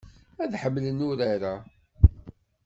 Ad tḥemmlem urar-a.